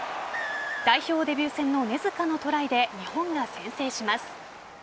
代表デビュー戦の根塚のトライで日本が先制します。